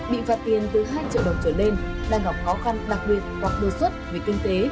bị phạt tiền từ hai triệu đồng trở lên đang gặp khó khăn đặc biệt hoặc đề xuất về kinh tế